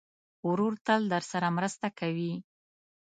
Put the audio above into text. ورور تل درسره مرسته کوي.